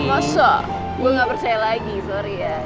nggak usah gua gak percaya lagi sorry ya